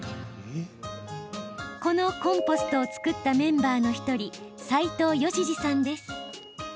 このコンポストを作ったメンバーの１人斉藤吉司さんです。